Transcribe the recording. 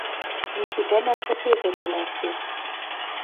Микитӓнӓ шоссе вӹкӹ лӓктеш.